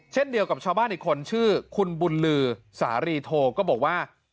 เช่นเดียวกับชาวบ้านอีกคนชื่อคุณบุญลือสารีโทก็บอกว่า